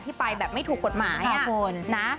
ที่ไปแบบไม่ถูกกฎหมาย